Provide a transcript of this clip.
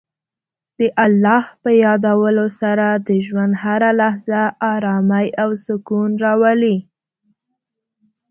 د الله په یادولو سره د ژوند هره لحظه ارامۍ او سکون راولي.